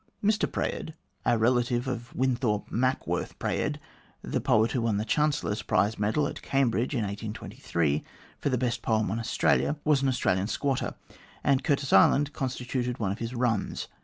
Mr Praed, a relative of Winthorp Mack worth Praed, the poet who won the Chancellor's prize medal at Cambridge, in 1823, for the best poem on Australia, was an Australian squatter, and Curtis Island constituted one of his runs.